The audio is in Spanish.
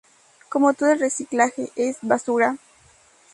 Como todo el reciclaje, es basura".